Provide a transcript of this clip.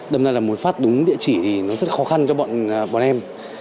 đâm ra là một phát đúng địa chỉ thì nó rất khó khăn cho bọn em